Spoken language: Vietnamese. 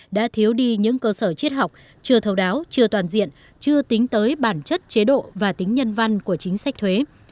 đã thiếu đi những cơ sở triết học chưa thấu đáo chưa toàn diện chưa tính tới bản chất chế độ và tính nhân văn của chính sách thuế